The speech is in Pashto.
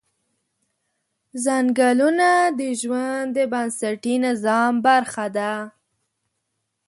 ځنګلونه د ژوند د بنسټي نظام برخه ده